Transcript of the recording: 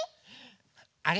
あれ？